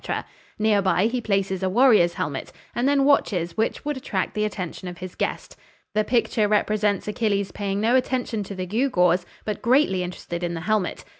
Near by he places a warrior's helmet, and then watches which would attract the attention of his guest. The picture represents Achilles paying no attention to the gew gaws, but greatly interested in the helmet.